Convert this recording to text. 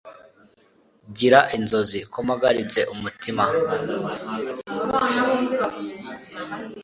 Gira inzozi ko mpagaritse umutima